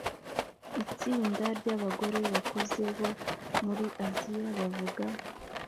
Itsinda ryabagore bakuze bo muri Aziya bavuga